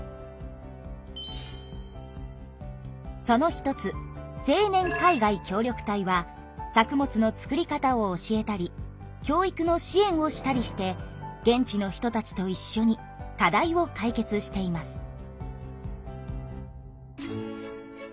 その一つ青年海外協力隊は作物の作り方を教えたり教育の支援をしたりして現地の人たちといっしょに課題を解決しています。